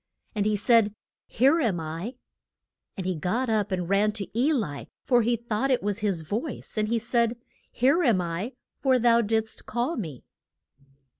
And he said, Here am I. And he got up and ran to E li, for he thought it was his voice, and he said, Here am I, for thou did'st call me.